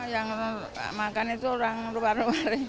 yang makan itu orang luar